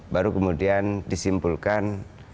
baru kemudian disimpulkan